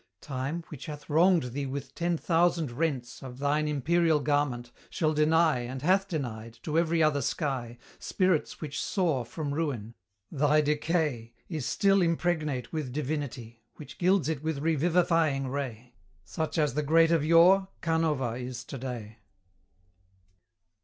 Time, which hath wronged thee with ten thousand rents Of thine imperial garment, shall deny, And hath denied, to every other sky, Spirits which soar from ruin: thy decay Is still impregnate with divinity, Which gilds it with revivifying ray; Such as the great of yore, Canova is to day.